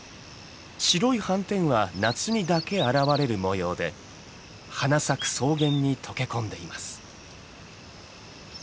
白い斑点は夏にだけ現れる模様で花咲く草原に溶け込んでいます。